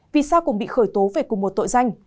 vì sao cũng bị khởi tố về cùng một tội danh